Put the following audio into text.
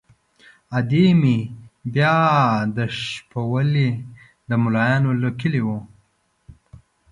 ادې مې بیا د شپولې د ملایانو له کلي وه.